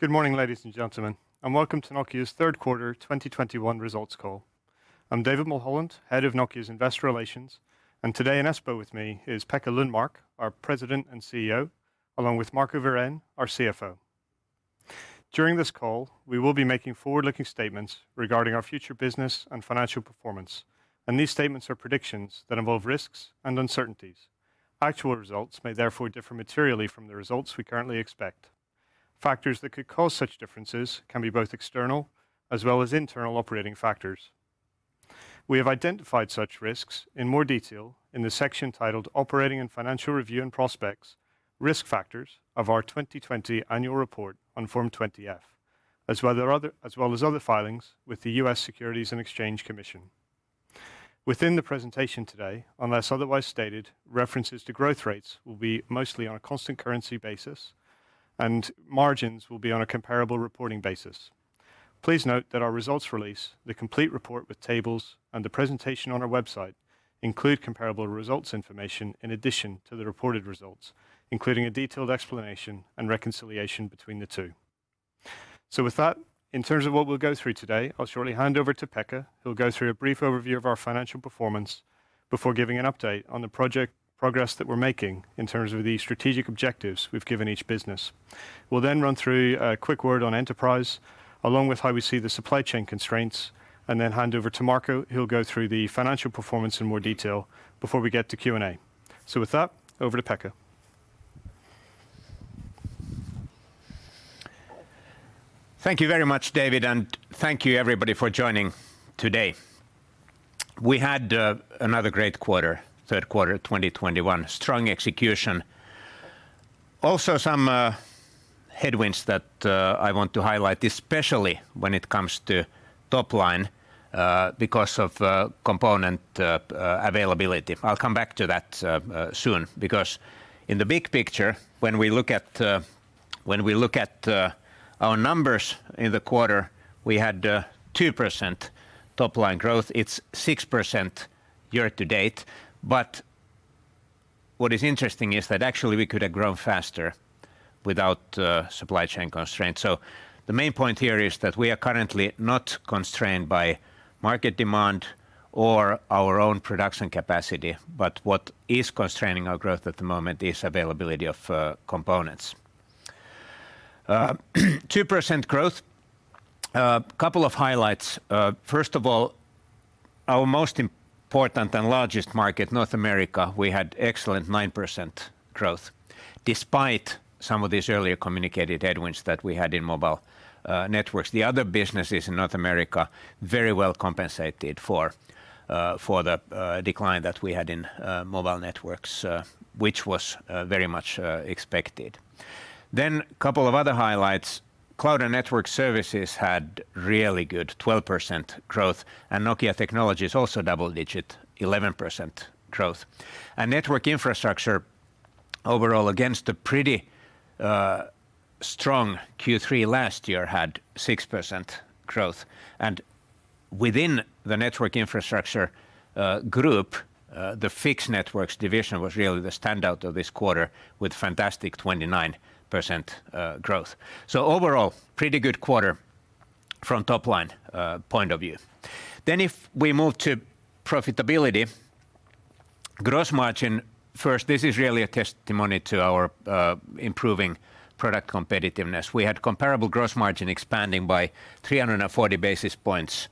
Good morning, ladies and gentlemen, and welcome to Nokia's third quarter 2021 results call. I'm David Mulholland, Head of Nokia's Investor Relations, and today in Espoo with me is Pekka Lundmark, our President and CEO, along with Marco Wirén, our CFO. During this call, we will be making forward-looking statements regarding our future business and financial performance, and these statements are predictions that involve risks and uncertainties. Actual results may therefore differ materially from the results we currently expect. Factors that could cause such differences can be both external as well as internal operating factors. We have identified such risks in more detail in the section titled Operating and Financial Review and Prospects: Risk Factors of our 2020 annual report on Form 20-F, as well as other filings with the US Securities and Exchange Commission. Within the presentation today, unless otherwise stated, references to growth rates will be mostly on a constant currency basis, and margins will be on a comparable reporting basis. Please note that our results release, the complete report with tables, and the presentation on our website include comparable results information in addition to the reported results, including a detailed explanation and reconciliation between the two. With that, in terms of what we'll go through today, I'll shortly hand over to Pekka, who'll go through a brief overview of our financial performance before giving an update on the project progress that we're making in terms of the strategic objectives we've given each business. We'll then run through a quick word on enterprise, along with how we see the supply chain constraints, and then hand over to Marco, who'll go through the financial performance in more detail before we get to Q&A. With that, over to Pekka. Thank you very much, David, and thank you everybody for joining today. We had another great quarter, third quarter of 2021. Strong execution. Also, some headwinds that I want to highlight, especially when it comes to top-line, because of component availability. I'll come back to that soon, because in the big picture, when we look at our numbers in the quarter, we had 2% top-line growth. It's 6% year-to-date. What is interesting is that actually we could have grown faster without supply chain constraints. The main point here is that we are currently not constrained by market demand or our own production capacity, but what is constraining our growth at the moment is availability of components. 2% growth. Couple of highlights. First of all, our most important and largest market, North America, we had excellent 9% growth despite some of these earlier communicated headwinds that we had in Mobile Networks. The other businesses in North America very well compensated for the decline that we had in Mobile Networks, which was very much expected. Couple of other highlights. Cloud and Network Services had really good 12% growth and Nokia Technologies also double-digit 11% growth. Network Infrastructure overall, against a pretty strong Q3 last year, had 6% growth. Within the Network Infrastructure group, the Fixed Networks division was really the standout of this quarter with fantastic 29% growth. Overall, pretty good quarter from top line point of view. If we move to profitability, gross margin first, this is really a testimony to our improving product competitiveness. We had comparable gross margin expanding by 340 basis points.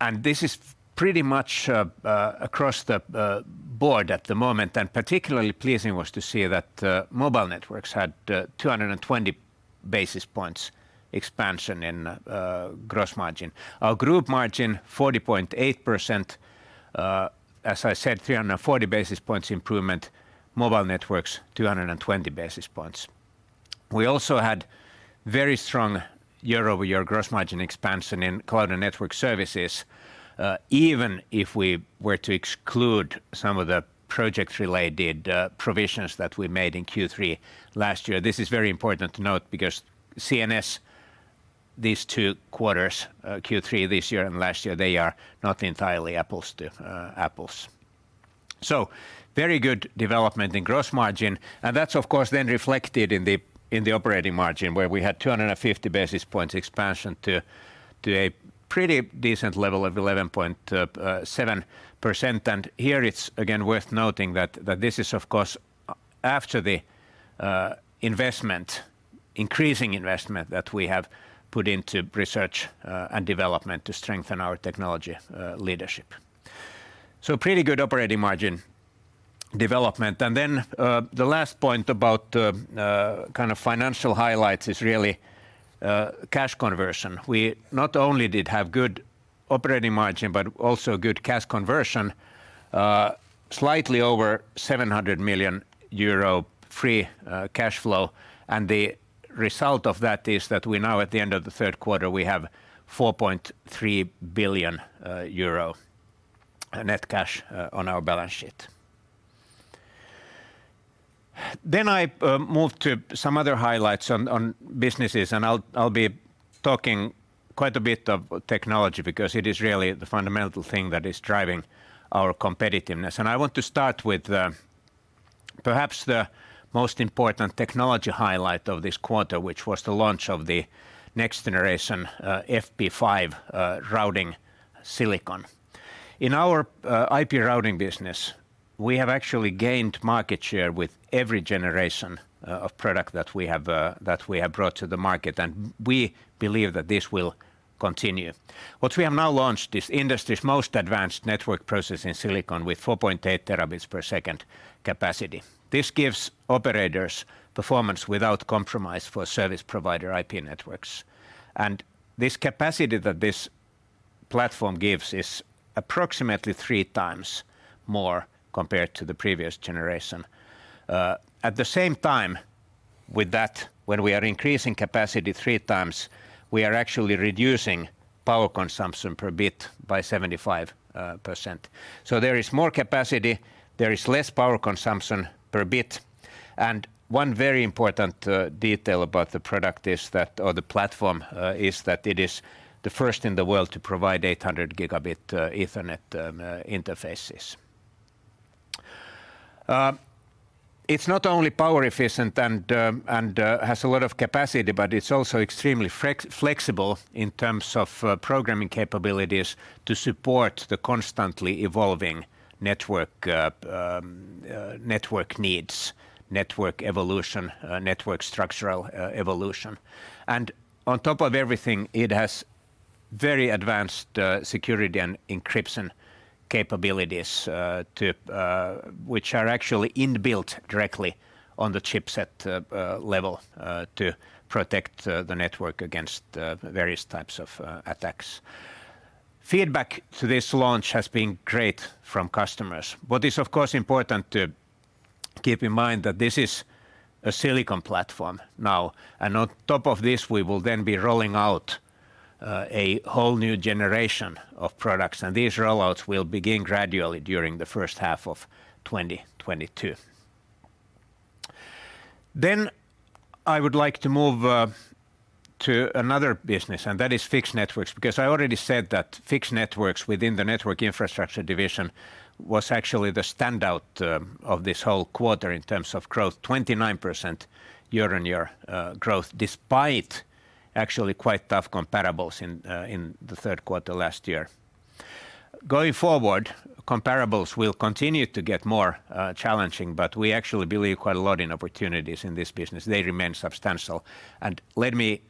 And this is pretty much across the board at the moment, and particularly pleasing was to see that Mobile Networks had 220 basis points expansion in gross margin. Our group margin, 40.8%. As I said, 340 basis points improvement. Mobile Networks, 220 basis points. We also had very strong year-over-year gross margin expansion in Cloud and Network Services, even if we were to exclude some of the project-related provisions that we made in Q3 last year. This is very important to note because CNS, these two quarters, Q3 this year and last year, they are not entirely apples to apples. Very good development in gross margin, and that's of course then reflected in the operating margin, where we had 250 basis points expansion to a pretty decent level of 11.7%. Here it's again worth noting that this is of course after the investment, increasing investment that we have put into research and development to strengthen our technology leadership. Pretty good operating margin development. Then the last point about kind of financial highlights is really cash conversion. We not only did have good operating margin, but also good cash conversion. Slightly over 700 million euro free cash flow, and the result of that is that we now at the end of the third quarter, we have 4.3 billion euro net cash on our balance sheet. I move to some other highlights on businesses, and I'll be talking quite a bit of technology because it is really the fundamental thing that is driving our competitiveness. I want to start with perhaps the most important technology highlight of this quarter, which was the launch of the next-generation FP5 routing silicon. In our IP routing business, we have actually gained market share with every generation of product that we have brought to the market, and we believe that this will continue. What we have now launched is industry's most advanced network processing silicon with 4.8 Tb/s capacity. This gives operators performance without compromise for service provider IP networks. This capacity that this platform gives is approximately 3x more compared to the previous generation. At the same time, with that, when we are increasing capacity 3x, we are actually reducing power consumption per bit by 75%. There is more capacity, there is less power consumption per bit, and one very important detail about the product is that or the platform is that it is the first in the world to provide 800 Gb Ethernet interfaces. It's not only power efficient and has a lot of capacity, but it's also extremely flexible in terms of programming capabilities to support the constantly evolving network needs, network evolution, network structural evolution. On top of everything, it has very advanced security and encryption capabilities, which are actually inbuilt directly on the chipset level to protect the network against various types of attacks. Feedback to this launch has been great from customers. What is, of course, important to keep in mind is that this is a silicon platform now. On top of this, we will then be rolling out a whole new generation of products. These roll-outs will begin gradually during the H1 of 2022. I would like to move to another business, and that is Fixed Networks, because I already said that Fixed Networks within the Network Infrastructure division was actually the standout of this whole quarter in terms of growth, 29% year-on-year growth, despite actually quite tough comparables in the third quarter last year. Going forward, comparables will continue to get more challenging, but we actually believe quite a lot in opportunities in this business. They remain substantial, and let me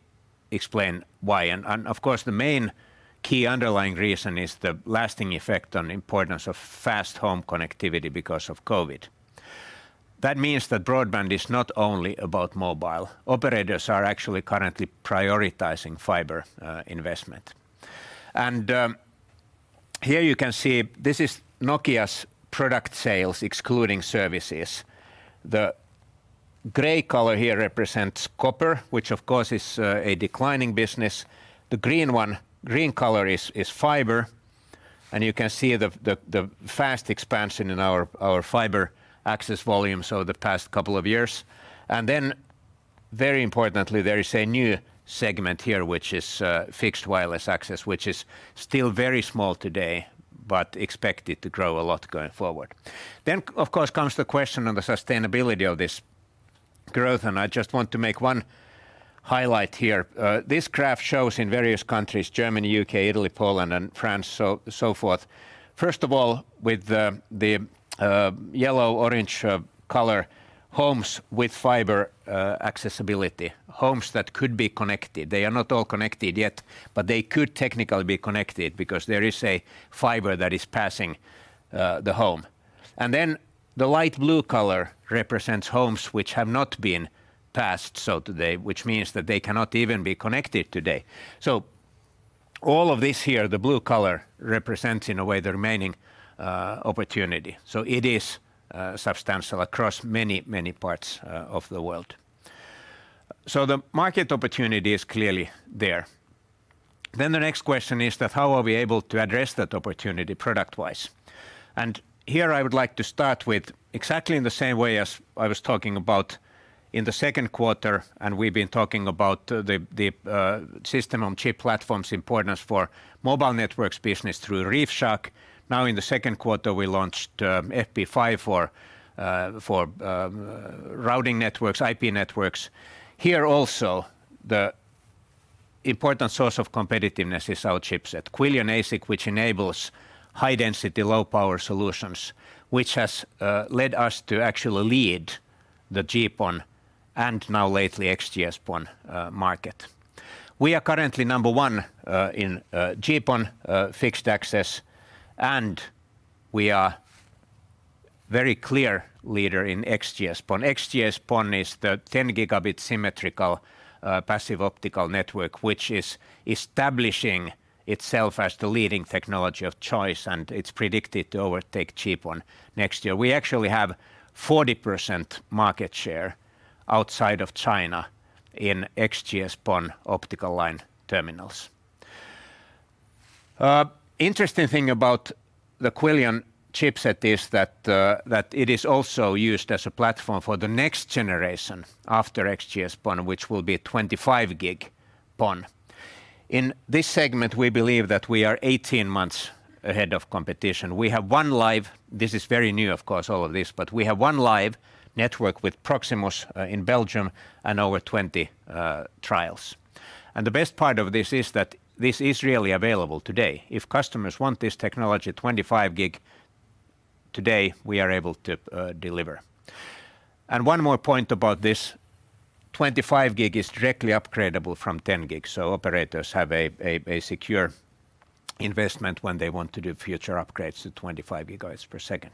explain why. Of course, the main key underlying reason is the lasting effect on importance of fast home connectivity because of COVID. That means that broadband is not only about mobile. Operators are actually currently prioritizing fiber investment. Here you can see this is Nokia's product sales, excluding services. The gray color here represents copper, which of course is a declining business. The green one, green color is fiber, and you can see the fast expansion in our fiber access volume, so the past couple of years. Then very importantly, there is a new segment here, which is fixed wireless access, which is still very small today, but expected to grow a lot going forward. Of course comes the question on the sustainability of this growth, and I just want to make one highlight here. This graph shows in various countries, Germany, U.K., Italy, Poland, and France, so forth. First of all, with the yellow, orange color, homes with fiber accessibility, homes that could be connected. They are not all connected yet, but they could technically be connected because there is a fiber that is passing the home. The light blue color represents homes which have not been passed so today, which means that they cannot even be connected today. All of this here, the blue color represents in a way the remaining opportunity. It is substantial across many, many parts of the world. The market opportunity is clearly there. The next question is that how are we able to address that opportunity product-wise? Here I would like to start with exactly in the same way as I was talking about in the second quarter, and we've been talking about the System on Chip platforms importance for mobile networks business through ReefShark. Now in the second quarter, we launched FP5 for routing networks, IP networks. Here also, the important source of competitiveness is our chipset, Quillion ASIC, which enables high density, low power solutions, which has led us to actually lead the GPON and now lately XGS-PON market. We are currently number one in GPON fixed access, and we are very clear leader in XGS-PON. XGS-PON is the 10 Gb symmetrical passive optical network, which is establishing itself as the leading technology of choice, and it's predicted to overtake GPON next year. We actually have 40% market share outside of China in XGS-PON optical line terminals. Interesting thing about the Quillion chipset is that it is also used as a platform for the next generation after XGS-PON, which will be a 25 Gb PON. In this segment, we believe that we are 18 months ahead of competition. We have 1 live network with Proximus in Belgium, this is very new of course, all of this, and over 20 trials. The best part of this is that this is really available today. If customers want this technology, 25 Gb today, we are able to deliver. One more point about this, 25 Gb is directly upgradeable from 10 Gb. Operators have a secure investment when they want to do future upgrades to 25 Gb/s.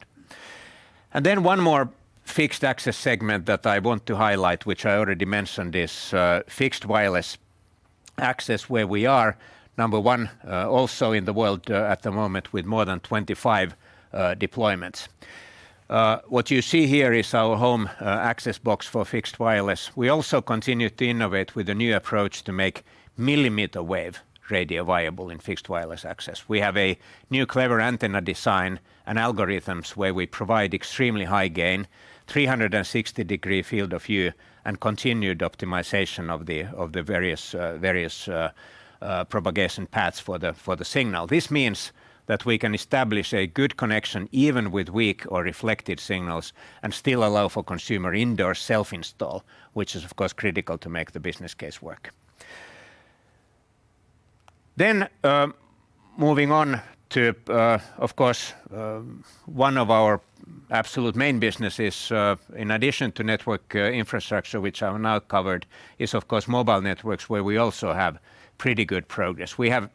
One more fixed access segment that I want to highlight, which I already mentioned, is fixed wireless access, where we are number one also in the world at the moment with more than 25 deployments. What you see here is our home access box for fixed wireless. We also continue to innovate with a new approach to make millimeter wave radio viable in fixed wireless access. We have a new clever antenna design and algorithms where we provide extremely high gain, 360-degree field of view, and continued optimization of the various propagation paths for the signal. This means that we can establish a good connection even with weak or reflected signals and still allow for consumer indoor self-install, which is of course critical to make the business case work. Moving on to, of course, one of our absolute main businesses, in addition to Network Infrastructure, which I've now covered, is of course Mobile Networks, where we also have pretty good progress. We have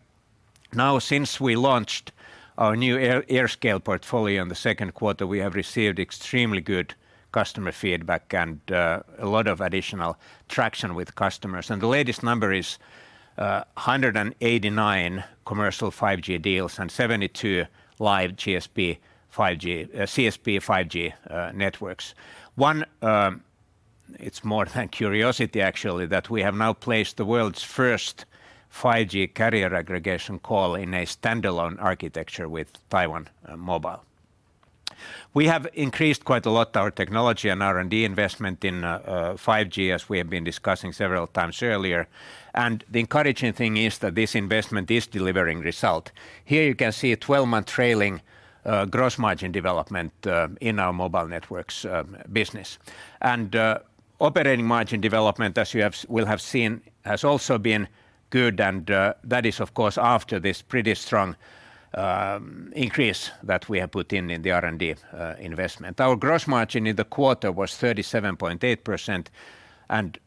now, since we launched our new AirScale portfolio in the second quarter, we have received extremely good customer feedback and a lot of additional traction with customers. The latest number is 189 commercial 5G deals and 72 live CSP 5G networks. It's more than curiosity actually that we have now placed the world's first 5G carrier aggregation call in a standalone architecture with Taiwan Mobile. We have increased quite a lot our technology and R&D investment in 5G, as we have been discussing several times earlier. The encouraging thing is that this investment is delivering result. Here you can see a 12-month trailing gross margin development in our Mobile Networks business. Operating margin development, as you will have seen, has also been good, that is of course after this pretty strong increase that we have put in in the R&D investment. Our gross margin in the quarter was 37.8% and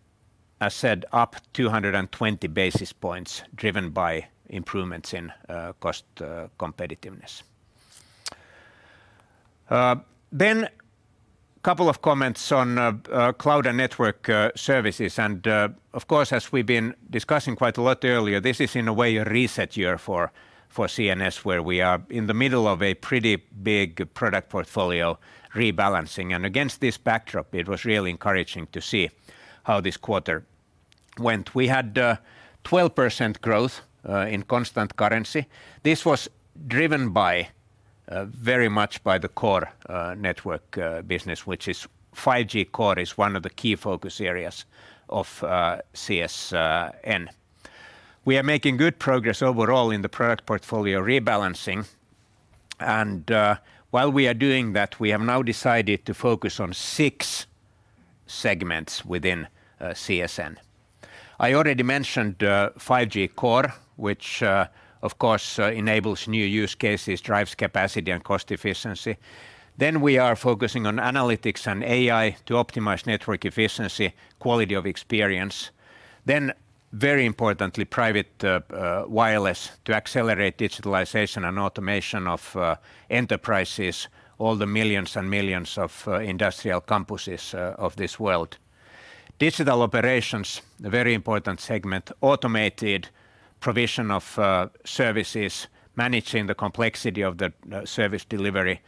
as said, up 220 basis points driven by improvements in cost competitiveness. A couple of comments on Cloud and Network Services. Of course, as we've been discussing quite a lot earlier, this is in a way a reset year for CNS, where we are in the middle of a pretty big product portfolio rebalancing. Against this backdrop, it was really encouraging to see how this quarter went. We had 12% growth in constant currency. This was driven by very much by the core network business, which is 5G Core, is one of the key focus areas of CNS. We are making good progress overall in the product portfolio rebalancing. While we are doing that, we have now decided to focus on six segments within CNS. I already mentioned 5G Core, which of course enables new use cases, drives capacity and cost efficiency. We are focusing on analytics and AI to optimize network efficiency, quality of experience. Very importantly, private wireless to accelerate digitalization and automation of enterprises, all the millions and millions of industrial campuses of this world. Digital operations, a very important segment, automated provision of services, managing the complexity of the service delivery,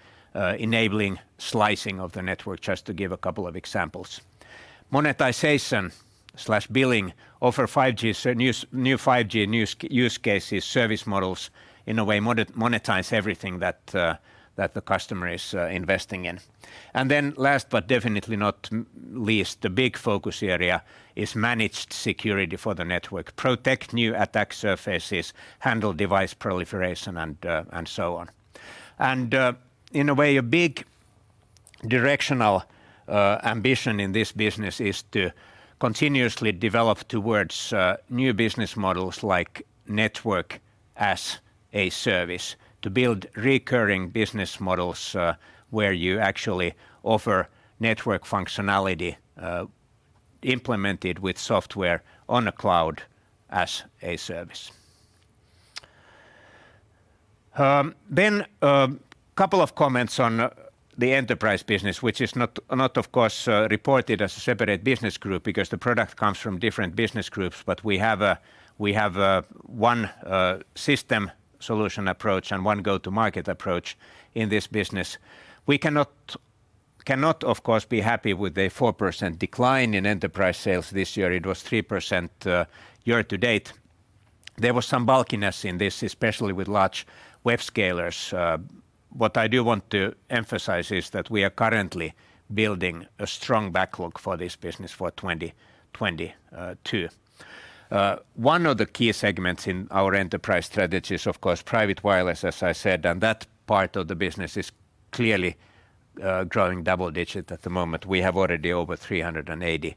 enabling slicing of the network, just to give a couple of examples. Monetization, billing offer 5G, so new 5G use cases, service models, in a way monetize everything that the customer is investing in. Then last but definitely not least, the big focus area is managed security for the network. Protect new attack surfaces, handle device proliferation, and so on. In a way, a big directional ambition in this business is to continuously develop towards new business models like network as a service to build recurring business models, where you actually offer network functionality implemented with software on a cloud as a service. Couple of comments on the enterprise business, which is not, of course, reported as a separate business group because the product comes from different business groups, but we have a one system solution approach and one go-to-market approach in this business. We cannot, of course, be happy with a 4% decline in enterprise sales this year. It was 3% year to date. There was some lumpiness in this, especially with large web scalers. What I do want to emphasize is that we are currently building a strong backlog for this business for 2022. One of the key segments in our enterprise strategy is, of course, private wireless, as I said, and that part of the business is clearly growing double-digit at the moment. We have already over 380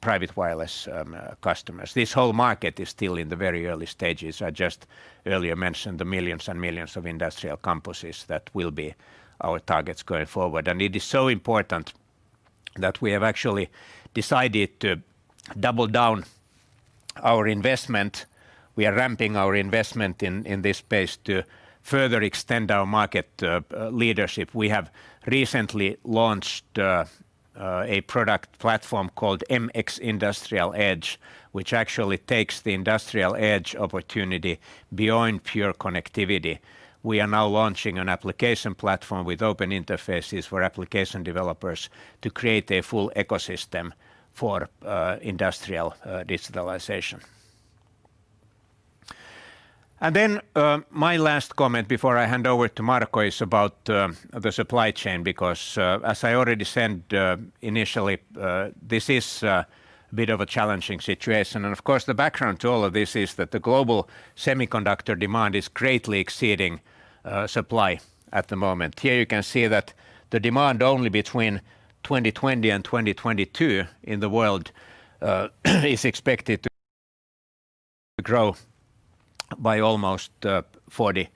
private wireless customers. This whole market is still in the very early stages. I just earlier mentioned the millions and millions of industrial campuses that will be our targets going forward. It is so important that we have actually decided to double down our investment. We are ramping our investment in this space to further extend our market leadership. We have recently launched a product platform called MX Industrial Edge, which actually takes the industrial edge opportunity beyond pure connectivity. We are now launching an application platform with open interfaces for application developers to create a full ecosystem for industrial digitalization. My last comment before I hand over to Marco is about the supply chain because, as I already said, initially, this is a bit of a challenging situation. Of course, the background to all of this is that the global semiconductor demand is greatly exceeding supply at the moment. Here you can see that the demand only between 2020 and 2022 in the world is expected to grow by almost 40%.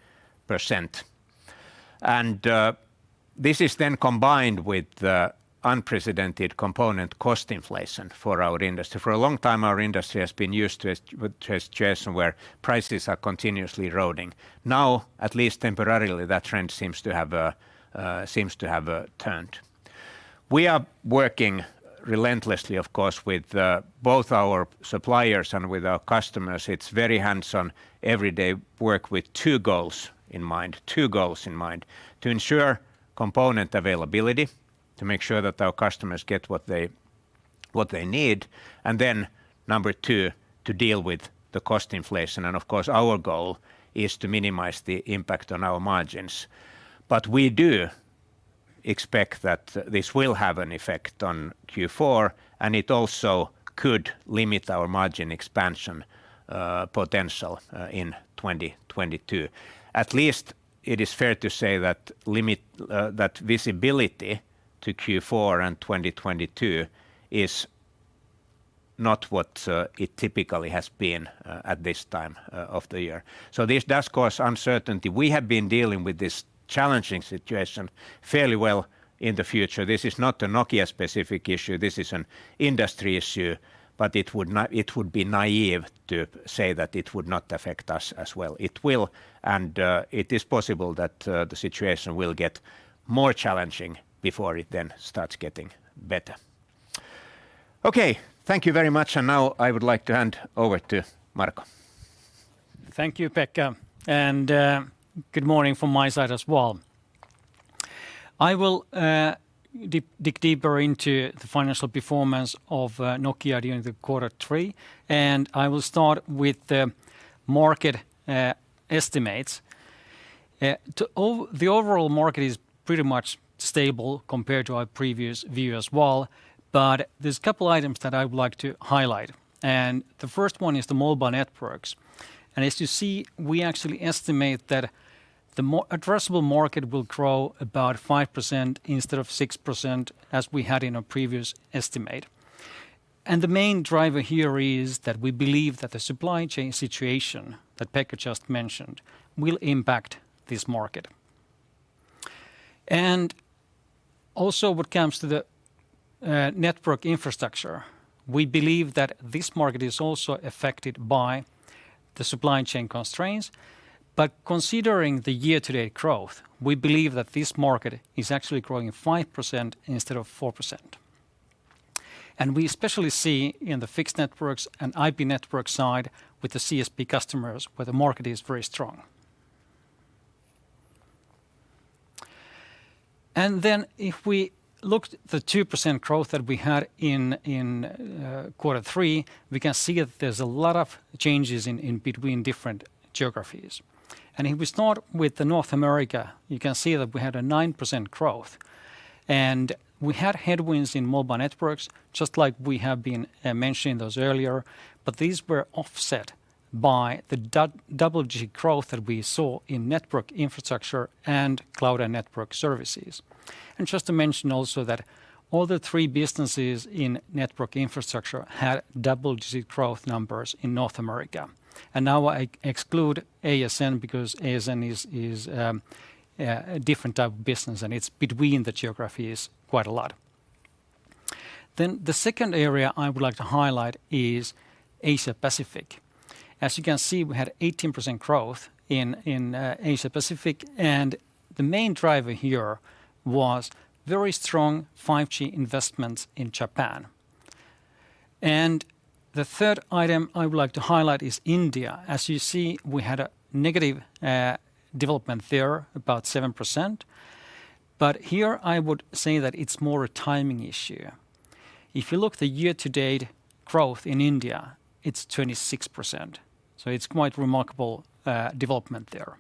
This is then combined with unprecedented component cost inflation for our industry. For a long time, our industry has been used to a situation where prices are continuously eroding. Now, at least temporarily, that trend seems to have turned. We are working relentlessly, of course, with both our suppliers and with our customers. It's very hands-on, everyday work with two goals in mind: to ensure component availability, to make sure that our customers get what they need, and then number two, to deal with the cost inflation. Of course, our goal is to minimize the impact on our margins. We do expect that this will have an effect on Q4, and it also could limit our margin expansion potential in 2022. At least it is fair to say that visibility to Q4 and 2022 is not what it typically has been at this time of the year. This does cause uncertainty. We have been dealing with this challenging situation fairly well so far. This is not a Nokia-specific issue. This is an industry issue, but it would be naive to say that it would not affect us as well. It will, and it is possible that the situation will get more challenging before it then starts getting better. Okay, thank you very much. Now I would like to hand over to Marco. Thank you, Pekka. Good morning from my side as well. I will dig deeper into the financial performance of Nokia during quarter three, and I will start with the market estimates. The overall market is pretty much stable compared to our previous view as well, but there's a couple items that I would like to highlight. The first one is the Mobile Networks. As you see, we actually estimate that the addressable market will grow about 5% instead of 6%, as we had in our previous estimate. The main driver here is that we believe that the supply chain situation that Pekka just mentioned will impact this market. Also what comes to the Network Infrastructure, we believe that this market is also affected by the supply chain constraints. Considering the year-to-date growth, we believe that this market is actually growing 5% instead of 4%. We especially see in the Fixed Networks and IP Networks side with the CSP customers, where the market is very strong. Then if we look at the 2% growth that we had in quarter three, we can see that there's a lot of changes in between different geographies. If we start with North America, you can see that we had a 9% growth. We had headwinds in Mobile Networks, just like we have been mentioning those earlier, but these were offset by the double growth that we saw in Network Infrastructure and Cloud and Network Services. Just to mention also that all three businesses in Network Infrastructure had double growth numbers in North America. Now I exclude ASN because ASN is a different type of business, and it's between the geographies quite a lot. The second area I would like to highlight is Asia-Pacific. As you can see, we had 18% growth in Asia-Pacific, and the main driver here was very strong 5G investments in Japan. The third item I would like to highlight is India. As you see, we had a negative development there, about 7%, but here I would say that it's more a timing issue. If you look at the year-to-date growth in India, it's 26%, so it's quite remarkable development there.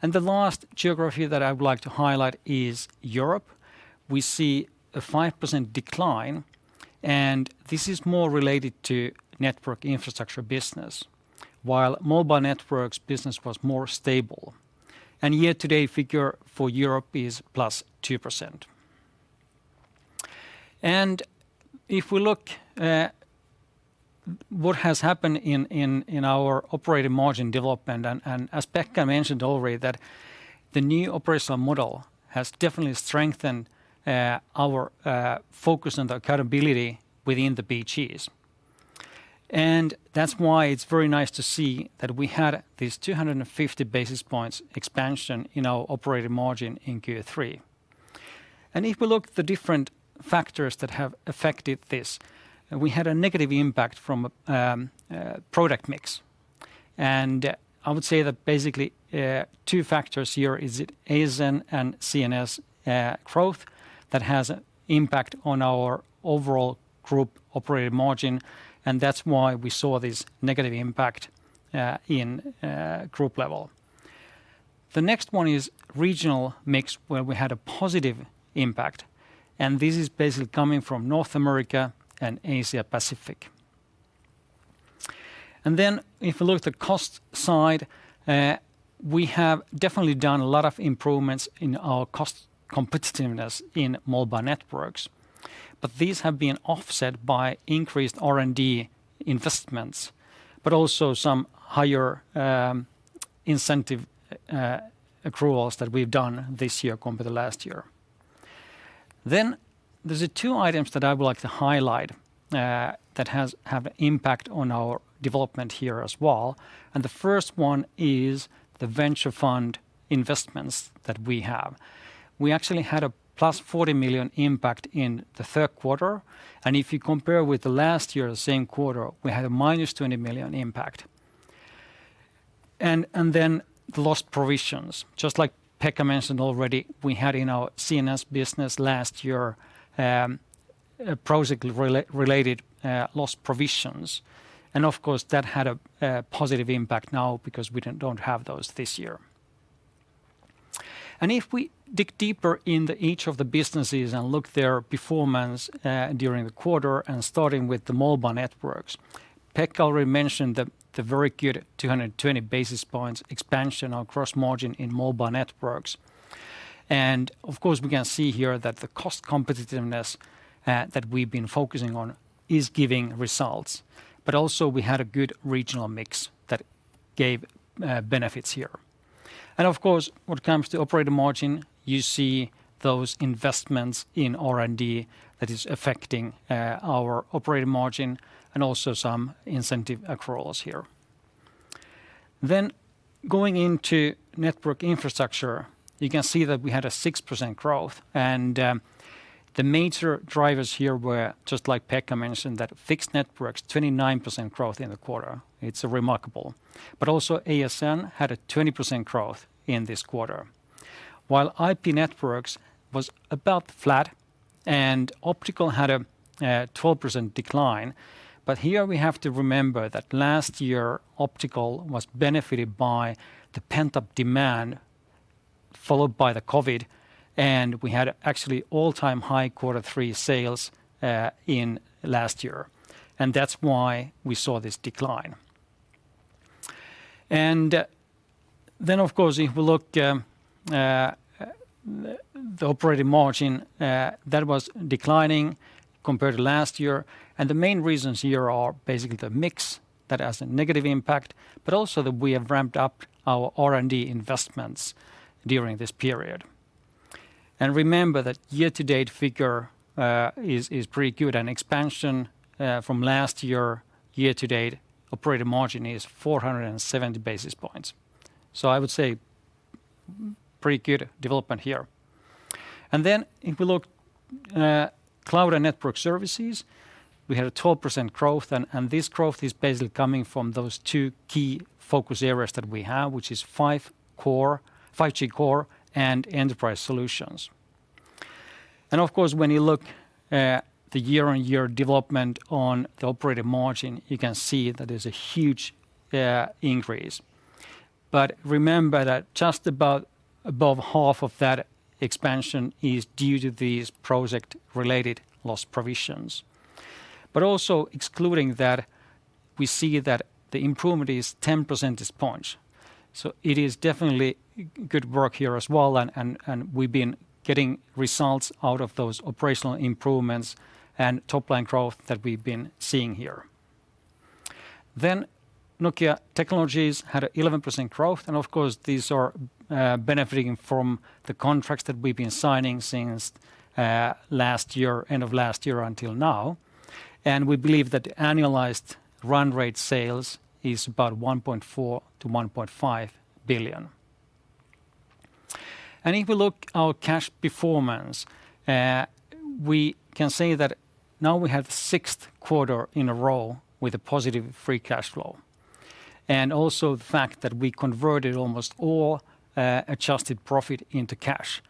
The last geography that I would like to highlight is Europe. We see a 5% decline, and this is more related to Network Infrastructure business, while Mobile Networks business was more stable. Year-to-date figure for Europe is +2%. If we look at what has happened in our operating margin development and as Pekka mentioned already that the new operational model has definitely strengthened our focus on the accountability within the BGs. That's why it's very nice to see that we had these 250 basis points expansion in our operating margin in Q3. If we look at the different factors that have affected this, we had a negative impact from product mix. I would say that basically two factors here is ASN and CNS growth that has impact on our overall group operating margin, and that's why we saw this negative impact in group level. The next one is regional mix, where we had a positive impact, and this is basically coming from North America and Asia Pacific. If you look at the cost side, we have definitely done a lot of improvements in our cost competitiveness in Mobile Networks. These have been offset by increased R&D investments, but also some higher incentive accruals that we've done this year compared to last year. There's the two items that I would like to highlight that have impact on our development here as well, and the first one is the venture fund investments that we have. We actually had a +40 million impact in the third quarter, and if you compare with the last year, same quarter, we had a -20 million impact. And then the loss provisions. Just like Pekka mentioned already, we had in our CNS business last year project-related loss provisions. Of course, that had a positive impact now because we don't have those this year. If we dig deeper into each of the businesses and look their performance during the quarter and starting with the Mobile Networks, Pekka already mentioned the very good 220 basis points expansion on gross margin in Mobile Networks. Of course, we can see here that the cost competitiveness that we've been focusing on is giving results. Also we had a good regional mix that gave benefits here. Of course, when it comes to operating margin, you see those investments in R&D that is affecting our operating margin and also some incentive accruals here. Going into Network Infrastructure, you can see that we had a 6% growth. The major drivers here were, just like Pekka mentioned, that Fixed Networks had 29% growth in the quarter. It's remarkable. Also ASN had a 20% growth in this quarter. While IP Networks was about flat and Optical had a 12% decline. Here we have to remember that last year, Optical was benefited by the pent-up demand followed by the COVID, and we had actually all-time high quarter three sales in last year. That's why we saw this decline. Of course, if we look at the operating margin, that was declining compared to last year. The main reasons here are basically the mix that has a negative impact, but also that we have ramped up our R&D investments during this period. Remember that year-to-date figure is pretty good. Expansion from last year-to-date operating margin is 470 basis points. I would say pretty good development here. Then if we look, Cloud and Network Services, we had a 12% growth, and this growth is basically coming from those two key focus areas that we have, which is 5G Core and enterprise solutions. Of course, when you look, the year-on-year development on the operating margin, you can see that there's a huge increase. Remember that just about above half of that expansion is due to these project-related loss provisions. Also excluding that, we see that the improvement is 10 percentage points. It is definitely good work here as well and we've been getting results out of those operational improvements and top-line growth that we've been seeing here. Nokia Technologies had 11% growth. Of course, these are benefiting from the contracts that we've been signing since last year, end of last year until now. We believe that annualized run rate sales is about 1.4 billion-1.5 billion. If we look at our cash performance, we can say that now we have sixth quarter in a row with a positive free cash flow. Also the fact that we converted almost all adjusted profit into cash.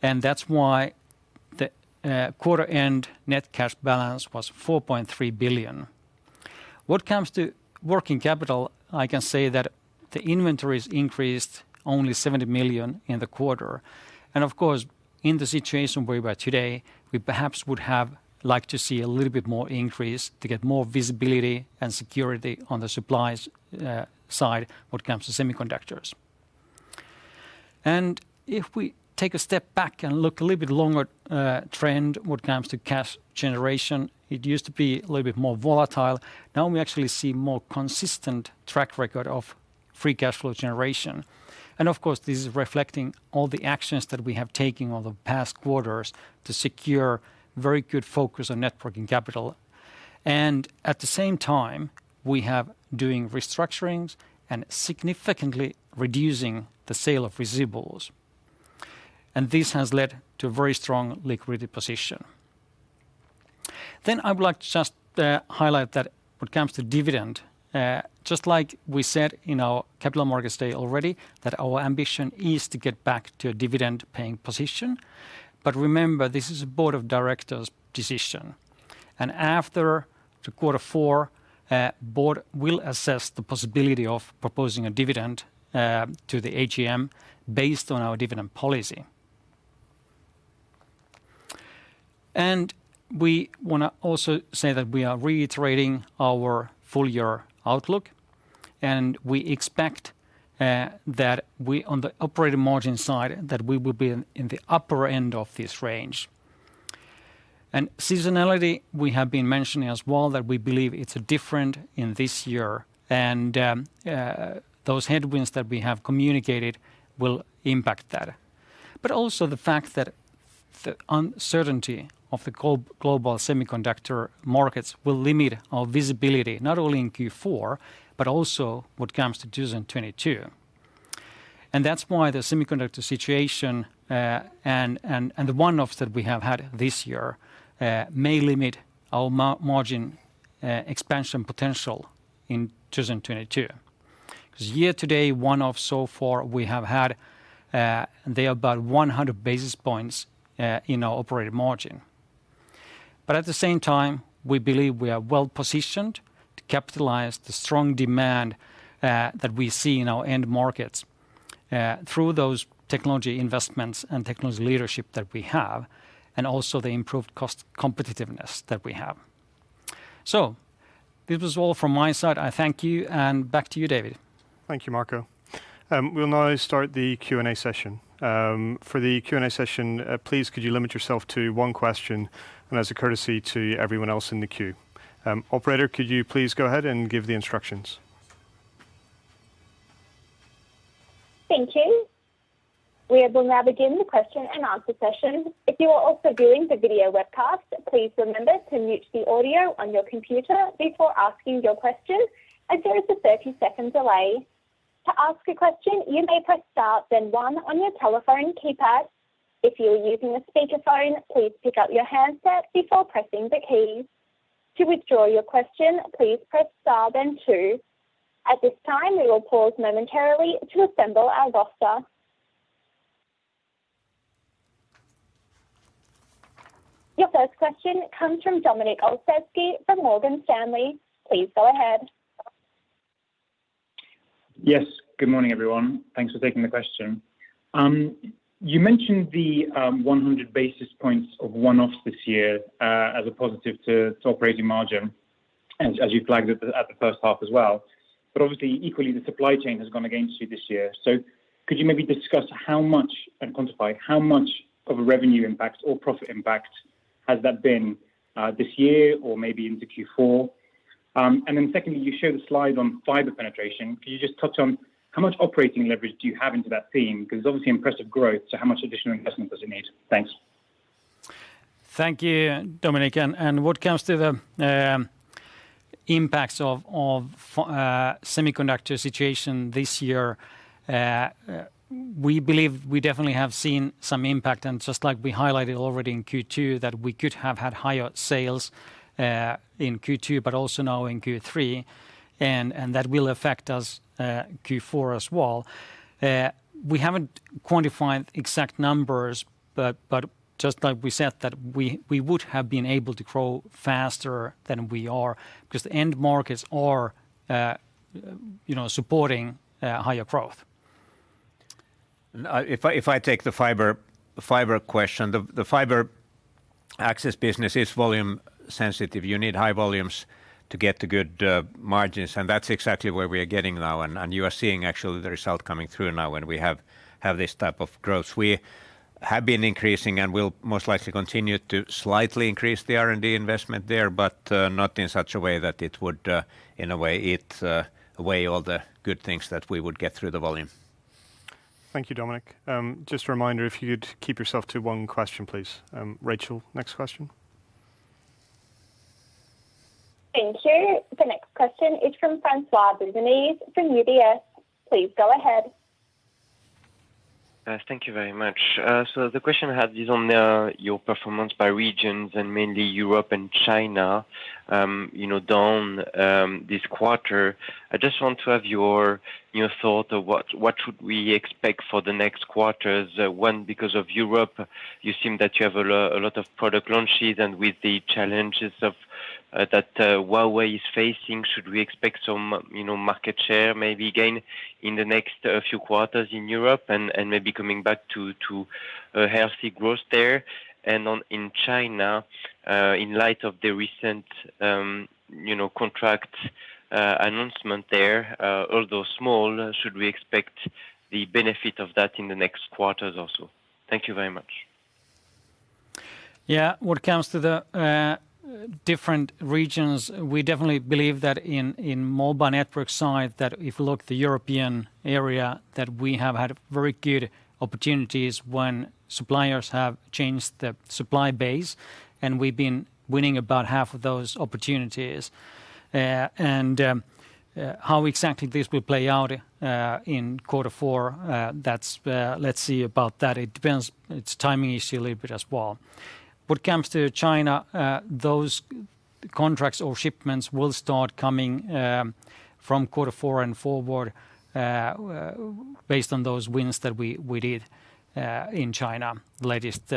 That's why the quarter end net cash balance was 4.3 billion. When it comes to working capital, I can say that the inventories increased only 70 million in the quarter. Of course, in the situation where we are today, we perhaps would have liked to see a little bit more increase to get more visibility and security on the supply side when it comes to semiconductors. If we take a step back and look a little bit longer-term trend when it comes to cash generation, it used to be a little bit more volatile. Now we actually see more consistent track record of free cash flow generation. Of course, this is reflecting all the actions that we have taken over the past quarters to secure very good focus on net working capital. At the same time, we have doing restructurings and significantly reducing the sale of receivables. This has led to a very strong liquidity position. I would like to just highlight that when it comes to dividend, just like we said in our Capital Markets Day already, that our ambition is to get back to a dividend paying position. Remember, this is a board of directors decision. After the quarter four, board will assess the possibility of proposing a dividend to the AGM based on our dividend policy. We wanna also say that we are reiterating our full year outlook, and we expect that we on the operating margin side, that we will be in the upper end of this range. Seasonality, we have been mentioning as well that we believe it's different in this year. Those headwinds that we have communicated will impact that. Also, the fact that the uncertainty of the global semiconductor markets will limit our visibility, not only in Q4, but also when it comes to 2022. that's why the semiconductor situation and the one-offs that we have had this year may limit our margin expansion potential in 2022. 'Cause year to date, one-offs so far, we have had, they are about 100 basis points in our operating margin. at the same time, we believe we are well-positioned to capitalize on the strong demand that we see in our end markets through those technology investments and technology leadership that we have, and also the improved cost competitiveness that we have. this was all from my side. I thank you, and back to you, David. Thank you, Marco. We'll now start the Q&A session. For the Q&A session, please could you limit yourself to one question and as a courtesy to everyone else in the queue. Operator, could you please go ahead and give the instructions? Thank you. We will now begin the question-and-answer session. If you are also viewing the video webcast, please remember to mute the audio on your computer before asking your question as there is a 30-second delay. To ask a question, you may press star then one on your telephone keypad. If you are using a speakerphone, please pick up your handset before pressing the keys. To withdraw your question, please press star then two. At this time, we will pause momentarily to assemble our roster. Your first question comes from Dominik Olszewski from Morgan Stanley. Please go ahead. Yes. Good morning, everyone. Thanks for taking the question. You mentioned the 100 basis points of one-off this year as a positive to operating margin as you flagged it at the first half as well. Obviously equally, the supply chain has gone against you this year. Could you maybe discuss how much, and quantify, how much of a revenue impact or profit impact has that been this year or maybe into Q4? Secondly, you showed a slide on fiber penetration. Could you just touch on how much operating leverage do you have into that theme? Because obviously impressive growth, how much additional investment does it need? Thanks. Thank you, Dominik. When it comes to the impacts of the semiconductor situation this year, we believe we definitely have seen some impact. Just like we highlighted already in Q2, we could have had higher sales in Q2, but also now in Q3, and that will affect us in Q4 as well. We haven't quantified exact numbers, but just like we said, we would have been able to grow faster than we are because the end markets are, you know, supporting higher growth. If I take the fiber question. The fiber access business is volume sensitive. You need high volumes to get the good margins, and that's exactly where we are getting now. You are seeing actually the result coming through now when we have this type of growth. We have been increasing and will most likely continue to slightly increase the R&D investment there, but not in such a way that it would in a way eat away all the good things that we would get through the volume. Thank you, Dominik. Just a reminder, if you'd keep yourself to one question, please. Rachel, next question. Thank you. The next question is from François-Xavier Bouvignies from UBS. Please go ahead. Thank you very much. The question I have is on your performance by regions, and mainly Europe and China. You know, down this quarter. I just want to have your thought of what should we expect for the next quarters. One, because of Europe, you seem that you have a lot of product launches, and with the challenges of that Huawei is facing. Should we expect some, you know, market share maybe gain in the next few quarters in Europe? Maybe coming back to a healthy growth there. In China, in light of the recent, you know, contract announcement there, although small, should we expect the benefit of that in the next quarters also? Thank you very much. Yeah. When it comes to the different regions, we definitely believe that in mobile network side, that if you look the European area, that we have had very good opportunities when suppliers have changed the supply base. We've been winning about half of those opportunities. How exactly this will play out in quarter four, that's let's see about that. It depends. It's timing issue a little bit as well. What comes to China, those contracts or shipments will start coming from quarter four and forward, based on those wins that we did in China latest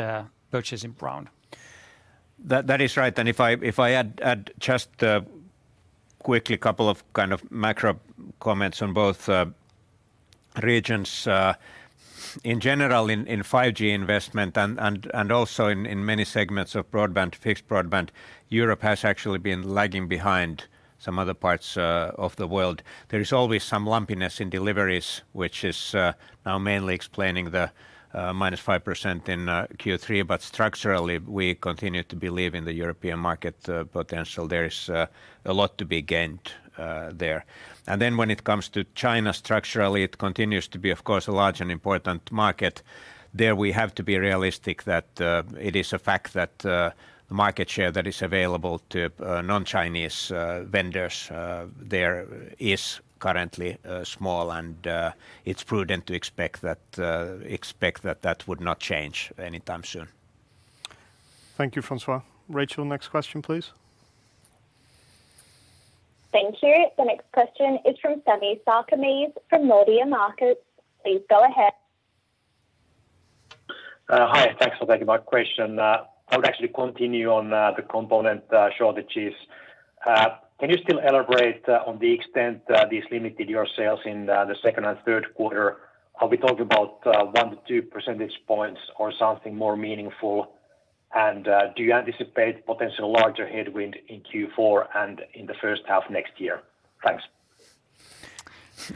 purchasing round. That is right. If I add just quickly couple of kind of macro comments on both regions. In general, in 5G investment and also in many segments of broadband, fixed broadband, Europe has actually been lagging behind some other parts of the world. There is always some lumpiness in deliveries, which is now mainly explaining the -5% in Q3. Structurally, we continue to believe in the European market potential. There is a lot to be gained there. Then when it comes to China, structurally, it continues to be, of course, a large and important market. There we have to be realistic that it is a fact that the market share that is available to non-Chinese vendors there is currently small. It's prudent to expect that that would not change anytime soon. Thank you, François. Rachel, next question, please. Thank you. The next question is from Sami Sarkamies from Nordea Markets. Please go ahead. Hi. Thanks for taking my question. I would actually continue on the component shortages. Can you still elaborate on the extent this limited your sales in the second and third quarter? Are we talking about one to two percentage points or something more meaningful? Do you anticipate potential larger headwind in Q4 and in the H1 next year? Thanks.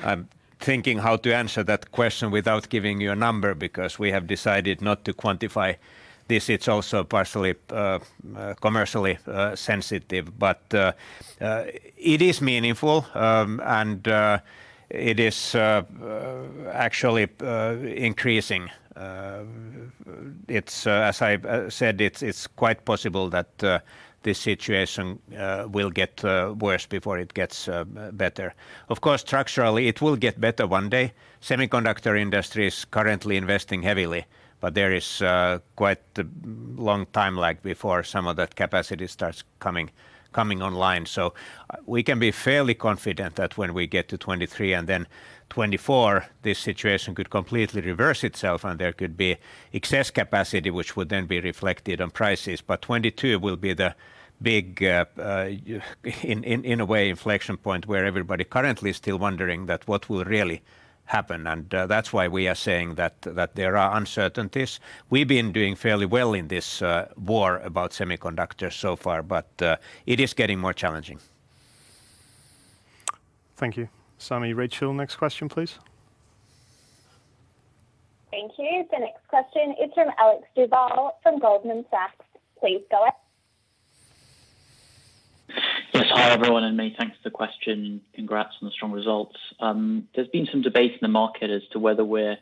I'm thinking how to answer that question without giving you a number, because we have decided not to quantify this. It's also partially commercially sensitive. It is meaningful and actually increasing. It's, as I said, quite possible that this situation will get worse before it gets better. Of course, structurally it will get better one day. Semiconductor industry is currently investing heavily, but there is quite a long time, like, before some of that capacity starts coming online. We can be fairly confident that when we get to 2023 and then 2024, this situation could completely reverse itself and there could be excess capacity, which would then be reflected on prices. 2022 will be the big, in a way, inflection point where everybody currently is still wondering that what will really happen. That's why we are saying that there are uncertainties. We've been doing fairly well in this war about semiconductors so far, but it is getting more challenging. Thank you, Sami. Rachel, next question, please. Thank you. The next question is from Alexander Duval from Goldman Sachs. Please go ahead. Yes, hi, everyone, and many thanks for the question. Congrats on the strong results. There's been some debate in the market as to whether we're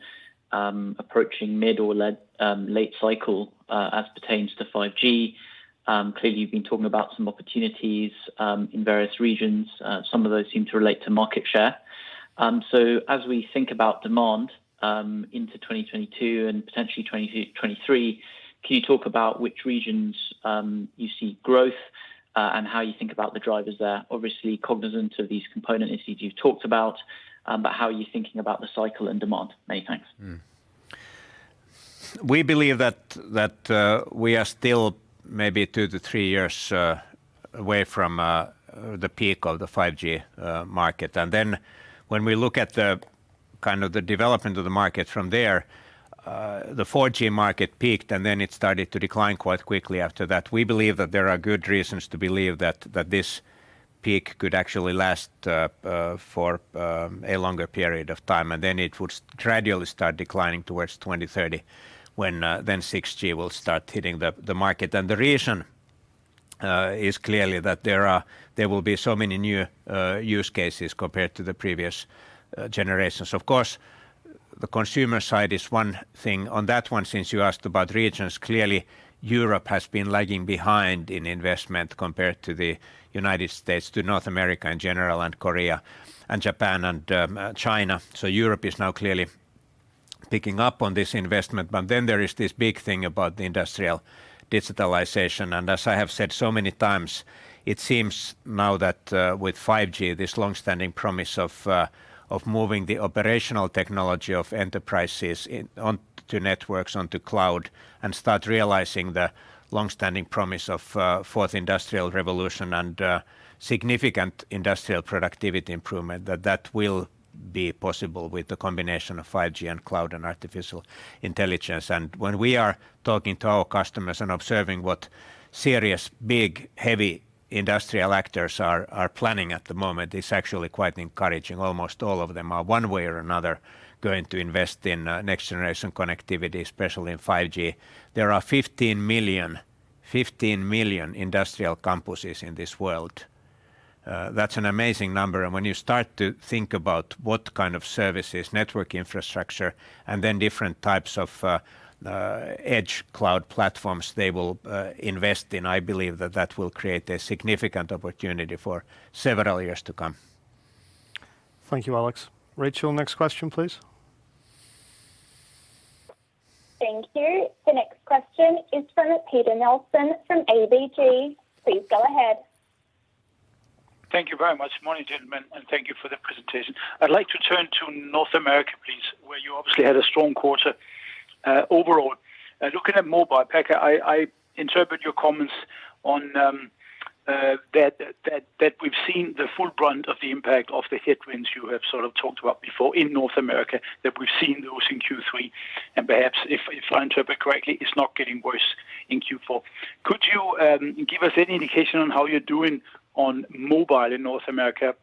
approaching mid or late cycle as pertains to 5G. Clearly you've been talking about some opportunities in various regions. Some of those seem to relate to market share. As we think about demand into 2022 and potentially 2022, 2023, can you talk about which regions you see growth and how you think about the drivers there? Obviously, cognizant of these component issues you've talked about, but how are you thinking about the cycle and demand? Many thanks. We believe that we are still maybe two to three years away from the peak of the 5G market. When we look at the kind of the development of the market from there, the 4G market peaked, and then it started to decline quite quickly after that. We believe that there are good reasons to believe that this peak could actually last for a longer period of time, and then it would gradually start declining towards 2030 when 6G will start hitting the market. The reason is clearly that there will be so many new use cases compared to the previous generations. Of course, the consumer side is one thing. On that one, since you asked about regions, clearly Europe has been lagging behind in investment compared to the United States, to North America in general, and Korea and Japan and China. Europe is now clearly picking up on this investment. There is this big thing about the industrial digitalization. As I have said so many times, it seems now that with 5G, this long-standing promise of moving the operational technology of enterprises on to networks, onto cloud, and start realizing the long-standing promise of Fourth Industrial Revolution and significant industrial productivity improvement, that will be possible with the combination of 5G and cloud and artificial intelligence. When we are talking to our customers and observing what serious, big, heavy industrial actors are planning at the moment, it's actually quite encouraging. Almost all of them are one way or another going to invest in next generation connectivity, especially in 5G. There are 15 million industrial campuses in this world. That's an amazing number. When you start to think about what kind of services, network infrastructure, and then different types of edge cloud platforms they will invest in, I believe that that will create a significant opportunity for several years to come. Thank you, Alex. Rachel, next question, please. Thank you. The next question is from Peter Kurt Nielsen from ABG Sundal Collier. Please go ahead. Thank you very much. Morning, gentlemen, and thank you for the presentation. I'd like to turn to North America, please, where you obviously had a strong quarter overall. Looking at mobile, Pekka, I interpret your comments on that we've seen the full brunt of the impact of the headwinds you have sort of talked about before in North America, that we've seen those in Q3. Perhaps if I interpret correctly, it's not getting worse in Q4. Could you give us any indication on how you're doing on mobile in North America?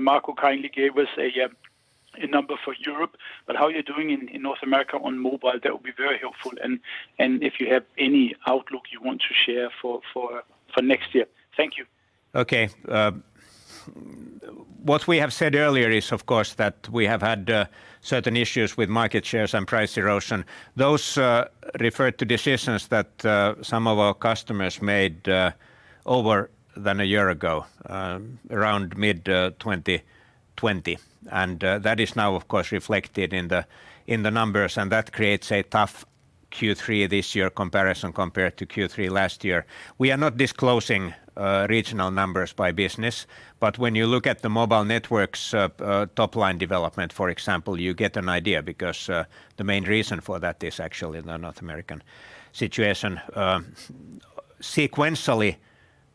Marco kindly gave us a number for Europe, but how you're doing in North America on mobile, that would be very helpful. If you have any outlook you want to share for next year. Thank you. What we have said earlier is, of course, that we have had certain issues with market shares and price erosion. Those refer to decisions that some of our customers made more than a year ago, around mid 2020. That is now of course reflected in the numbers, and that creates a tough Q3 this year comparison compared to Q3 last year. We are not disclosing regional numbers by business. When you look at the Mobile Networks top-line development, for example, you get an idea because the main reason for that is actually the North American situation. Sequentially,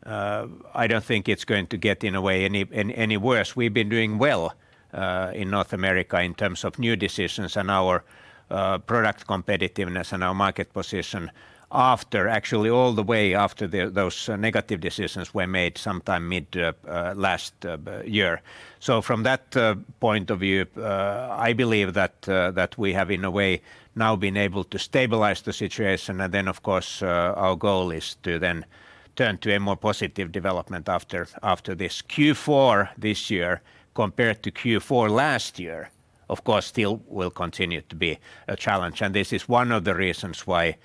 I don't think it's going to get any worse. We've been doing well in North America in terms of new decisions and our product competitiveness and our market position after actually all the way after those negative decisions were made sometime mid last year. From that point of view, I believe that we have in a way now been able to stabilize the situation. Of course, our goal is to then turn to a more positive development after this Q4 this year, compared to Q4 last year, of course, still will continue to be a challenge. This is one of the reasons why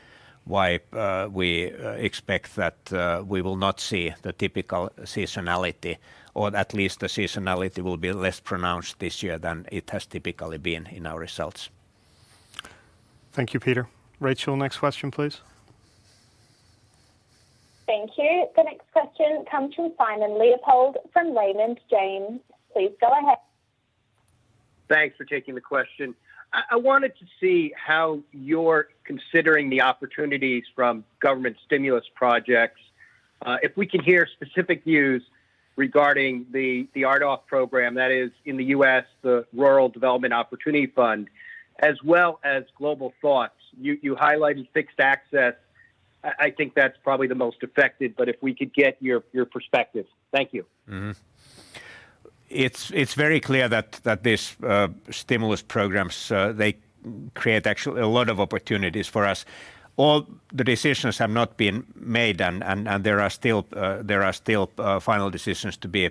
we expect that we will not see the typical seasonality, or at least the seasonality will be less pronounced this year than it has typically been in our results. Thank you, Peter. Rachel, next question, please. Thank you. The next question comes from Simon Leopold from Raymond James. Please go ahead. Thanks for taking the question. I wanted to see how you're considering the opportunities from government stimulus projects. If we could hear specific news regarding the RDOF program, that is in the U.S., the Rural Digital Opportunity Fund, as well as global thoughts. You highlighted fixed access. I think that's probably the most affected, but if we could get your perspective. Thank you. It's very clear that this stimulus programs they create actually a lot of opportunities for us. All the decisions have not been made and there are still final decisions to be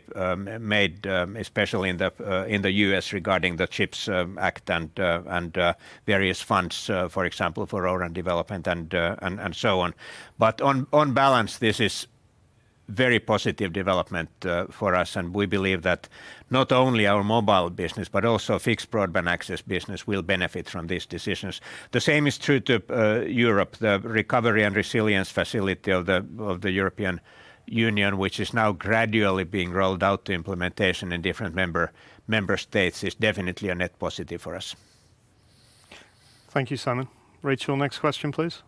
made, especially in the U.S. regarding the CHIPS Act and various funds, for example, for rural development and so on. But on balance, this is very positive development for us, and we believe that not only our mobile business, but also fixed broadband access business will benefit from these decisions. The same is true to Europe. The Recovery and Resilience Facility of the European Union, which is now gradually being rolled out to implementation in different member states, is definitely a net positive for us. Thank you, Simon. Rachel, next question, please.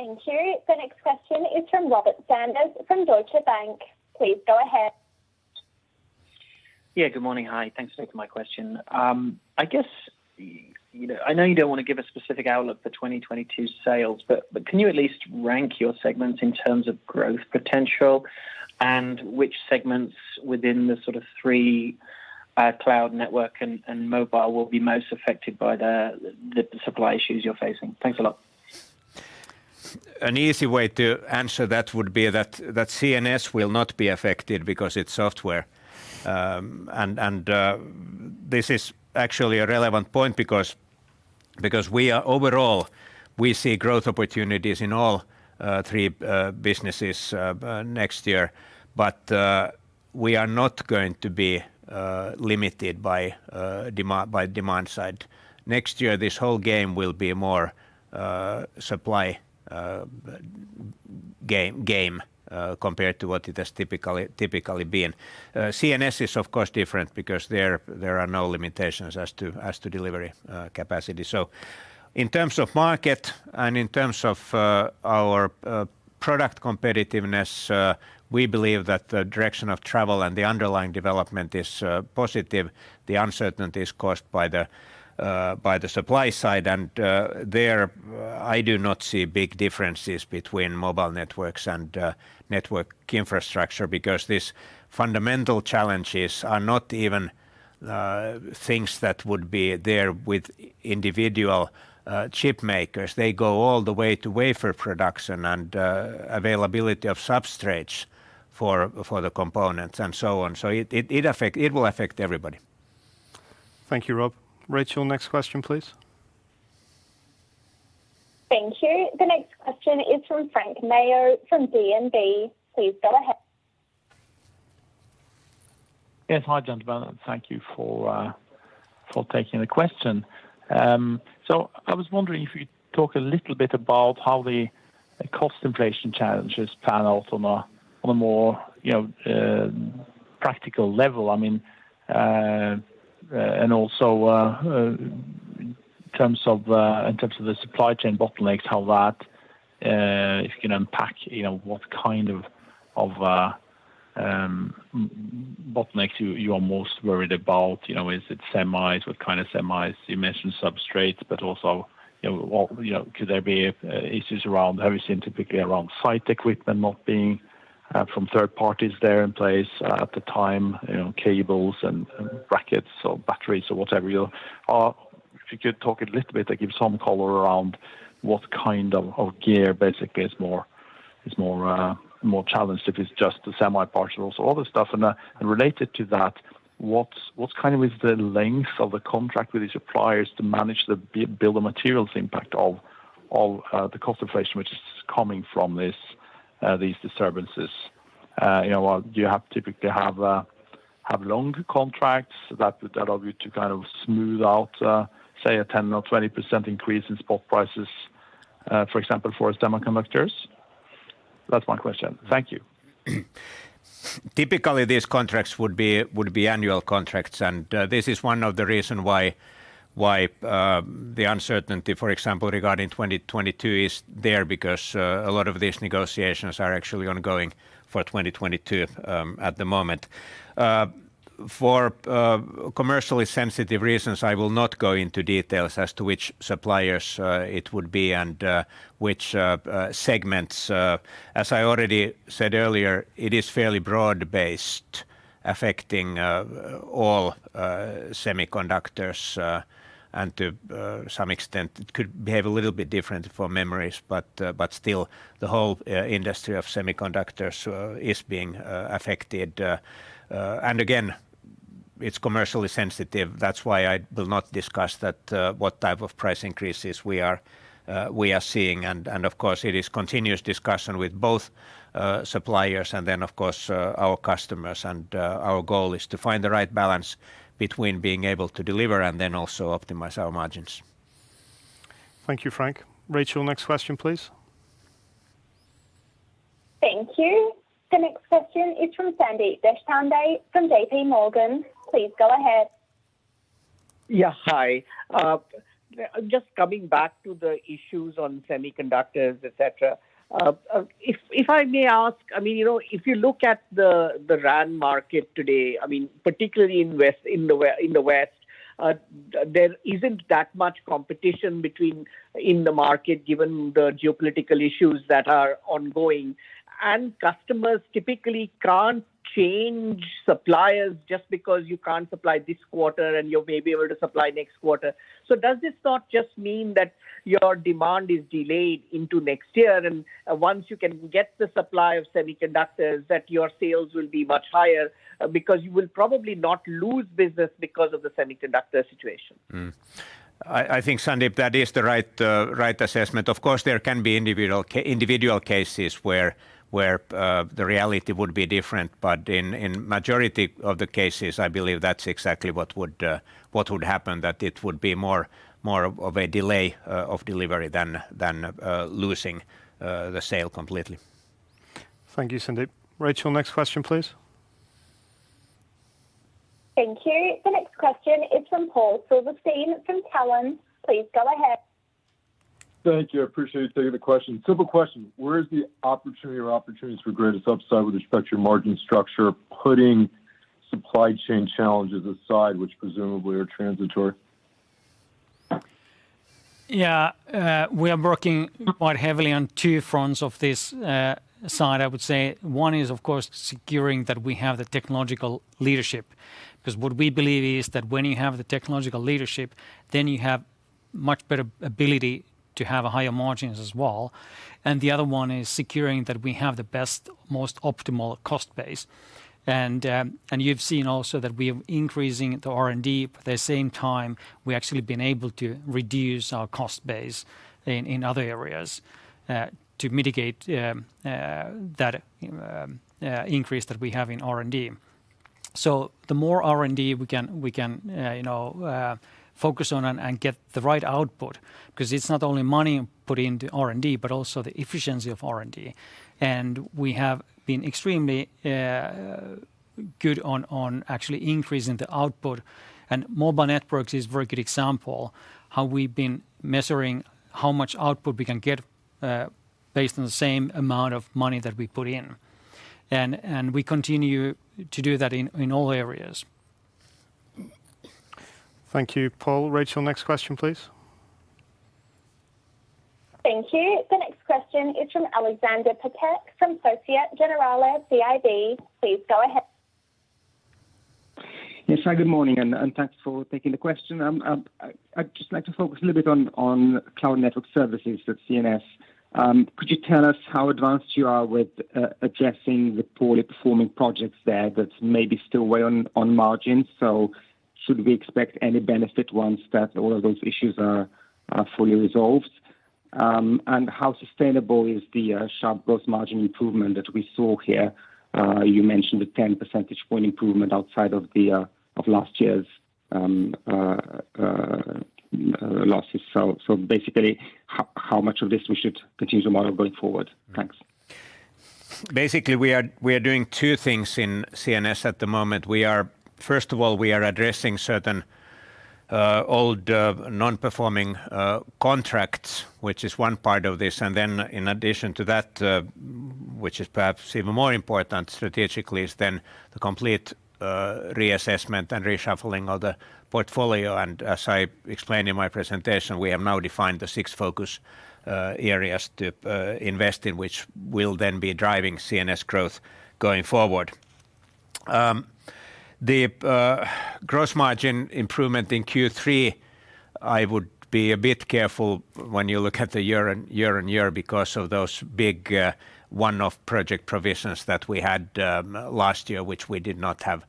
Thank you. The next question is from Robert Sanders from Deutsche Bank. Please go ahead. Yeah, good morning. Hi. Thanks for taking my question. I guess, you know, I know you don't want to give a specific outlook for 2022 sales, but can you at least rank your segments in terms of growth potential and which segments within the sort of three, cloud network and mobile will be most affected by the supply issues you're facing? Thanks a lot. An easy way to answer that would be that CNS will not be affected because it's software. This is actually a relevant point because overall we see growth opportunities in all three businesses next year. We are not going to be limited by demand side. Next year, this whole game will be more supply-constrained compared to what it has typically been. CNS is of course different because there are no limitations as to delivery capacity. In terms of market and in terms of our product competitiveness, we believe that the direction of travel and the underlying development is positive. The uncertainty is caused by the supply side. There I do not see big differences between Mobile Networks and Network Infrastructure because these fundamental challenges are not even things that would be there with individual chip makers. They go all the way to wafer production and availability of substrates for the components and so on. It will affect everybody. Thank you, Rob. Rachel, next question, please. Thank you. The next question is from Frank Maaø from DNB. Please go ahead. Yes. Hi, gentlemen. Thank you for taking the question. So I was wondering if you'd talk a little bit about how the cost inflation challenges pan out on a more, you know, practical level. I mean, and also in terms of the supply chain bottlenecks, how that, if you can unpack, you know, what kind of bottlenecks you are most worried about. You know, is it semis? What kind of semis? You mentioned substrates, but also, you know, what could there be issues around? Have you seen typically around site equipment not being from third parties there in place at the time, you know, cables and brackets or batteries or whatever, you know. If you could talk a little bit, like give some color around what kind of gear basically is more challenged, if it's just the semi parts and also other stuff. Related to that, what's the length of the contract with the suppliers to manage the bill of materials impact of the cost inflation which is coming from these disturbances? You know, do you typically have longer contracts that would allow you to kind of smooth out, say a 10%-20% increase in spot prices, for example, for semiconductors? That's my question. Thank you. Typically, these contracts would be annual contracts. This is one of the reasons why the uncertainty, for example, regarding 2022 is there because a lot of these negotiations are actually ongoing for 2022 at the moment. For commercially sensitive reasons, I will not go into details as to which suppliers it would be and which segments. As I already said earlier, it is fairly broad-based, affecting all semiconductors. To some extent it could behave a little bit different for memories, but still the whole industry of semiconductors is being affected. Again, it's commercially sensitive. That's why I will not discuss that what type of price increases we are seeing. Of course, it is continuous discussion with both suppliers and then of course our customers. Our goal is to find the right balance between being able to deliver and then also optimize our margins. Thank you, Frank. Rachel, next question, please. Thank you. The next question is from Sandeep Deshpande from JP Morgan. Please go ahead. Yeah, hi. Just coming back to the issues on semiconductors, etc. If I may ask, I mean, you know, if you look at the RAN market today, I mean, particularly in the West, there isn't that much competition in the market given the geopolitical issues that are ongoing. Customers typically can't change suppliers just because you can't supply this quarter and you may be able to supply next quarter. Does this not just mean that your demand is delayed into next year and once you can get the supply of semiconductors, that your sales will be much higher, because you will probably not lose business because of the semiconductor situation? I think, Sandeep, that is the right assessment. Of course, there can be individual cases where the reality would be different. In majority of the cases, I believe that's exactly what would happen, that it would be more of a delay of delivery than losing the sale completely. Thank you, Sandeep. Rachel, next question, please. Thank you. The next question is from Paul Silverstein from Cowen. Please go ahead. Thank you. I appreciate you taking the question. Simple question. Where is the opportunity or opportunities for greatest upside with respect to your margin structure, putting supply chain challenges aside, which presumably are transitory? Yeah. We are working quite heavily on two fronts of this side, I would say. One is, of course, securing that we have the technological leadership. 'Cause what we believe is that when you have the technological leadership, then you have much better ability to have higher margins as well. The other one is securing that we have the best, most optimal cost base. You've seen also that we are increasing the R&D, but at the same time, we actually have been able to reduce our cost base in other areas to mitigate that increase that we have in R&D. The more R&D we can focus on and get the right output because it's not only money put into R&D but also the efficiency of R&D. We have been extremely good on actually increasing the output. Mobile Networks is a very good example of how we've been measuring how much output we can get based on the same amount of money that we put in. We continue to do that in all areas. Thank you, Paul. Rachel, next question, please. Thank you. The next question is from Alexander Peterc from Société Générale SIB. Please go ahead. Yes. Hi, good morning, and thanks for taking the question. I'd just like to focus a little bit on Cloud and Network Services, so CNS. Could you tell us how advanced you are with addressing the poorly performing projects there that may be still weighing on margin? Should we expect any benefit once all of those issues are fully resolved? How sustainable is the sharp gross margin improvement that we saw here? You mentioned a 10-percentage point improvement outside of the losses of last year. Basically, how much of this should we continue to model going forward? Thanks. Basically, we are doing two things in CNS at the moment. First of all, we are addressing certain old non-performing contracts, which is one part of this. Then in addition to that, which is perhaps even more important strategically, is then the complete reassessment and reshuffling of the portfolio. As I explained in my presentation, we have now defined the six focus areas to invest in, which will then be driving CNS growth going forward. The gross margin improvement in Q3, I would be a bit careful when you look at the year-on-year because of those big one-off project provisions that we had last year, which we did not have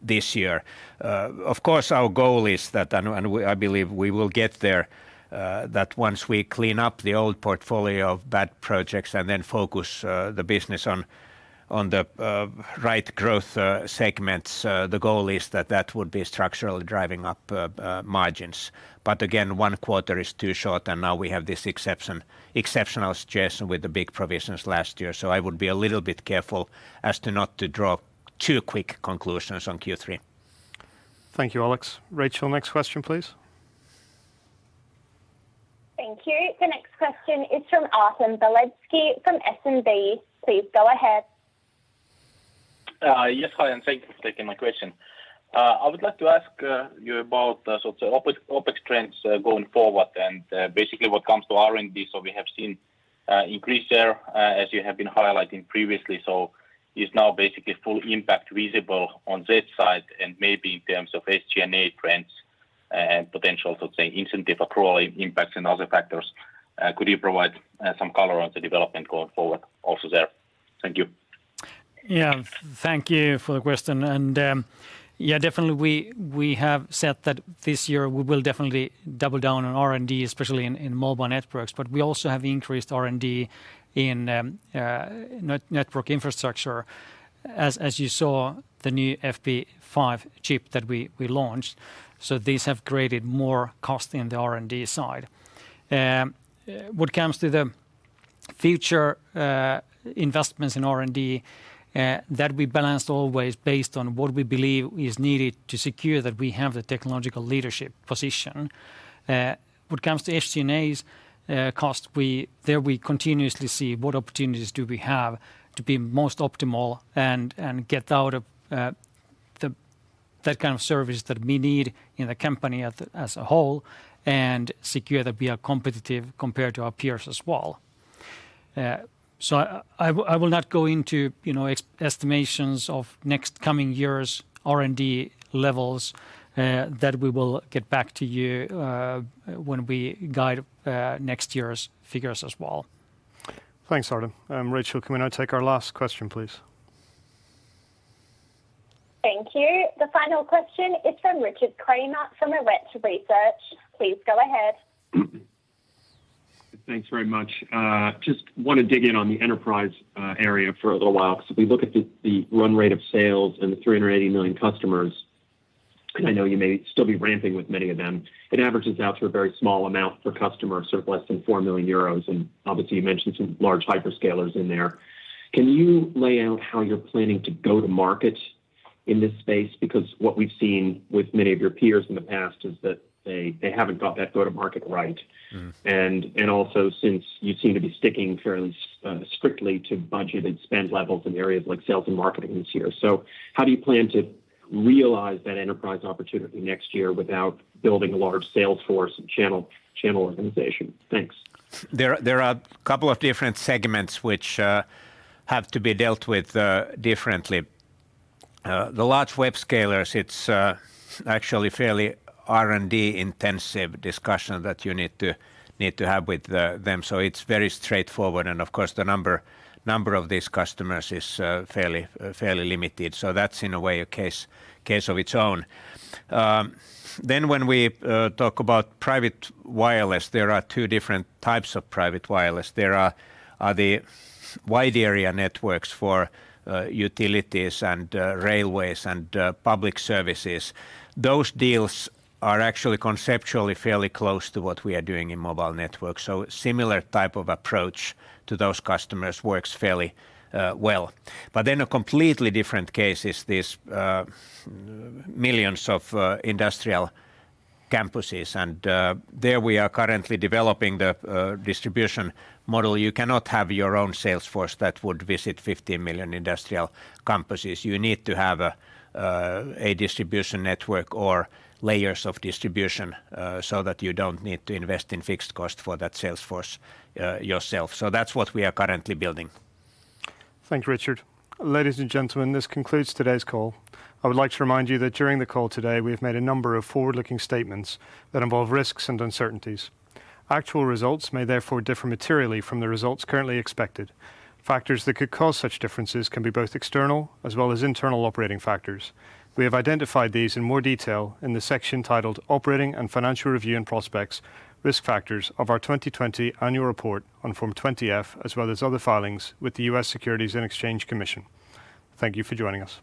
this year. Of course, our goal is that and I believe we will get there, that once we clean up the old portfolio of bad projects and then focus the business on the right growth segments, the goal is that that would be structurally driving up margins. Again, one quarter is too short, and now we have this exceptional situation with the big provisions last year. I would be a little bit careful not to draw too quick conclusions on Q3. Thank you, Alex. Rachel, next question, please. Thank you. The next question is from Artem Beletski from SEB. Please go ahead. Yes. Hi, and thank you for taking my question. I would like to ask you about sort of OpEx trends going forward and basically what comes to R&D. We have seen increase there as you have been highlighting previously. Is now basically full impact visible on this side and maybe in terms of SG&A trends and potential sort of say incentive accrual impacts and other factors? Could you provide some color on the development going forward also there? Thank you. Thank you for the question. Definitely we have said that this year we will definitely double down on R&D, especially in Mobile Networks. We also have increased R&D in Network Infrastructure. You saw the new FP5 chip that we launched. These have created more cost in the R&D side. What comes to the future investments in R&D, that'll be balanced always based on what we believe is needed to secure that we have the technological leadership position. What comes to SG&A cost, we continuously see what opportunities we have to be most optimal and get out of that kind of service that we need in the company as a whole, and secure that we are competitive compared to our peers as well. I will not go into, you know, estimations of next coming year's R&D levels. That we will get back to you when we guide next year's figures as well. Thanks, Artem. Rachel, can we now take our last question, please? Thank you. The final question is from Richard Kramer from Arete Research. Please go ahead. Thanks very much. Just wanna dig in on the enterprise area for a little while. We look at the run rate of sales and the 380 million customers, and I know you may still be ramping with many of them. It averages out to a very small amount per customer, sort of less than 4 million euros, and obviously you mentioned some large hyperscalers in there. Can you lay out how you're planning to go to market in this space? Because what we've seen with many of your peers in the past is that they haven't got that go to market right. Mm-hmm. Also, since you seem to be sticking fairly strictly to budget and spend levels in areas like sales and marketing this year. How do you plan to realize that enterprise opportunity next year without building a large sales force and channel organization? Thanks. There are a couple of different segments which have to be dealt with differently. The large web scalers, it's actually fairly R&D-intensive discussion that you need to have with them. It's very straightforward. Of course, the number of these customers is fairly limited. That's in a way a case of its own. When we talk about private wireless, there are two different types of private wireless. There are the wide area networks for utilities and railways and public services. Those deals are actually conceptually fairly close to what we are doing in Mobile Networks. Similar type of approach to those customers works fairly well. A completely different case is these millions of industrial campuses. There we are currently developing the distribution model. You cannot have your own sales force that would visit 50 million industrial campuses. You need to have a distribution network or layers of distribution, so that you don't need to invest in fixed cost for that sales force, yourself. So that's what we are currently building. Thank you, Richard. Ladies and gentlemen, this concludes today's call. I would like to remind you that during the call today, we have made a number of forward-looking statements that involve risks and uncertainties. Actual results may therefore differ materially from the results currently expected. Factors that could cause such differences can be both external as well as internal operating factors. We have identified these in more detail in the section titled Operating and Financial Review and Prospects Risk Factors of our 2020 Annual Report on Form 20-F, as well as other filings with the U.S. Securities and Exchange Commission. Thank you for joining us.